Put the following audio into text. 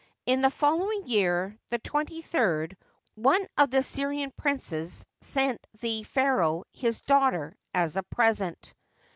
In the following year (the twenty third) one of the Syrian princes sent the pharaoh his daughter as a present.